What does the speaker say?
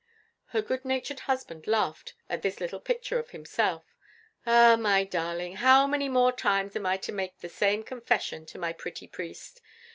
'" Her good natured husband laughed at this little picture of himself. "Ah, my darling, how many more times am I to make the same confession to my pretty priest?